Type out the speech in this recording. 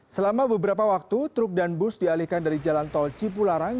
selama beberapa waktu truk dan bus dialihkan dari jalan tol cipularang